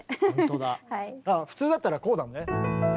普通だったらこうだもんね。